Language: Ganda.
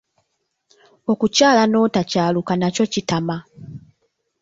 Okukyala n'otakyaluka nakyo kitama.